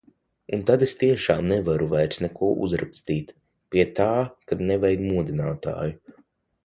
Un tad es tiešām nevaru vairs neko uzrakstīt. Pie tā, ka nevajag modinātāju.